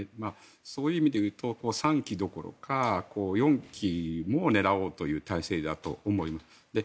そういう意味で言うと３期どころか４期も狙おうという体制だと思います。